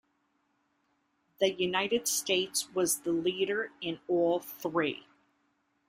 The United States was the leader in all three.